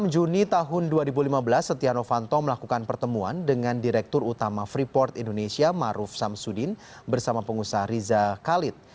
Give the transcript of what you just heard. dua puluh juni tahun dua ribu lima belas setia novanto melakukan pertemuan dengan direktur utama freeport indonesia maruf samsudin bersama pengusaha riza khalid